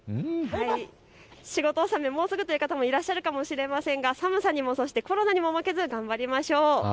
仕事納め、もうすぐという方もいるかもしれませんが寒さにもコロナにも負けずに頑張りましょう。